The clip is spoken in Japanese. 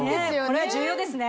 これは重要ですね。